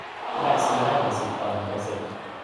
แลกซื้อได้หนึ่งสิทธิ์ต่อหนึ่งใบเสร็จ